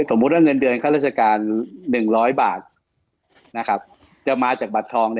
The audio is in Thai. สมมติว่าเงินเดือนค่าราชการ๑๐๐บาทนะครับ